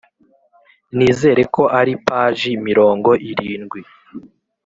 Nizereko ari paji mirongo irindwi